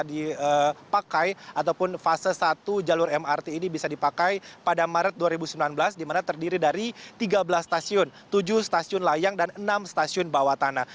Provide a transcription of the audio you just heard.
dipakai ataupun fase satu jalur mrt ini bisa dipakai pada maret dua ribu sembilan belas di mana terdiri dari tiga belas stasiun tujuh stasiun layang dan enam stasiun bawah tanah